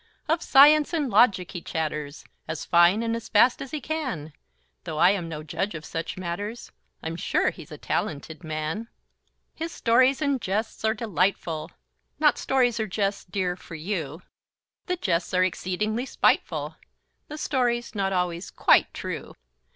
Of science and logic he chatters, As fine and as fast as he can; Though I am no judge of such matters, I'm sure he's a talented man. His stories and jests are delightful; Not stories or jests, dear, for you; The jests are exceedingly spiteful, The stories not always quite true.